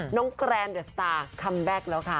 แกรนเดอะสตาร์คัมแบ็คแล้วค่ะ